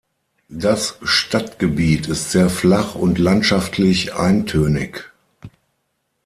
Das Stadtgebiet ist sehr flach und landschaftlich eintönig.